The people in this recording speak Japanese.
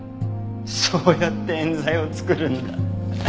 そうやって冤罪を作るんだ。